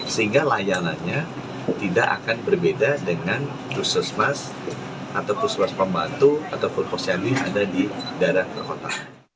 sehingga layanannya tidak akan berbeda dengan puskesmas atau puskes pembantu ataupun posyami yang ada di daerah kota